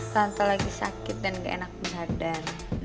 tante lagi sakit dan enggak enak berjalan